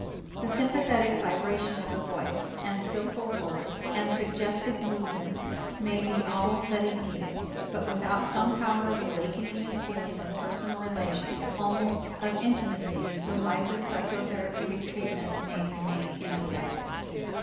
The sympathetic vibration of the voice and skillful words and suggestive movements may be all that is needed, but without some power of awakening this feeling of personal relation, almost of intimacy, the wisest psychotherapeutic treatment may remain ineffective.